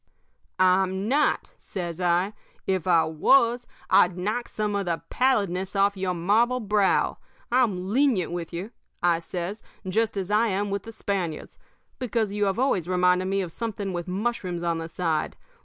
"'I'm not,' says I. 'If I was, I'd knock some of the pallidness off of your marble brow. I'm lenient with you,' I says, 'just as I am with the Spaniards, because you have always reminded me of something with mushrooms on the side.